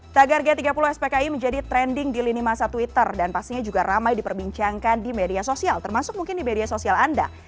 tagar g tiga puluh spki menjadi trending di lini masa twitter dan pastinya juga ramai diperbincangkan di media sosial termasuk mungkin di media sosial anda